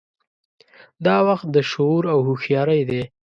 دا وخت د شعور او هوښیارۍ دی.